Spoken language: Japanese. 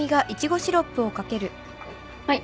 はい。